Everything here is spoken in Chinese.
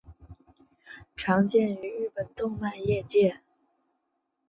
常见于日本动漫业界。